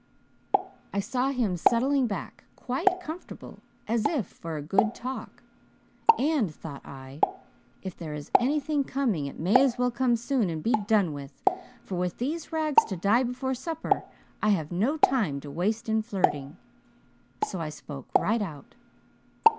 I saw him settling back quite comfortable, as if for a good talk, and thought I, 'If there is anything coming it may as well come soon and be done with, for with all these rags to dye before supper I have no time to waste in flirting,' so I spoke right out.